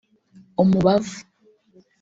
Umubavu